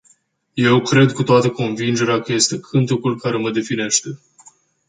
Eu cred cu toată convingerea că este cântecul care mă definește.